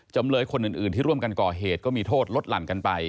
จำเลยคนอื่นที่ร่วมกันก่อเหตุก็มีโทษลดหลั่นกันไป